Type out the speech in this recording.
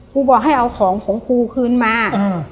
บอกให้เอาของของครูคืนมา